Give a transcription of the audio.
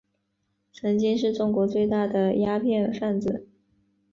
曾经是中国最大的鸦片贩子。